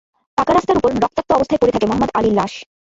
পাকা রাস্তার ওপর রক্তাক্ত অবস্থায় পড়ে থাকে মোহাম্মদ আলীর লাশ।